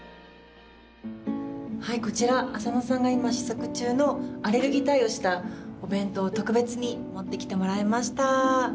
こちら浅野さんが今試作中のアレルギー対応したお弁当を特別に持ってきてもらいました。